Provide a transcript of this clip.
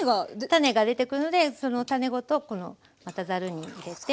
種が出てくるのでその種ごとこのまたざるに入れて。